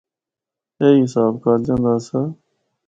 ایہی حساب کالجاں دا آسا۔